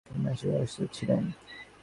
তিনি মানসিকভাবে অসুস্থ ছিলেন।